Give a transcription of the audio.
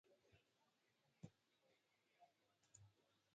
دا عنصرونه د کیمیاوي فعالیت له امله غیر فعال دي.